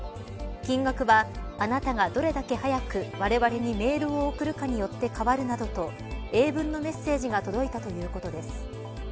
金額はあなたがどれだけ早くわれわれにメールを送るかによって変わるなどと英文のメッセージが届いたということです。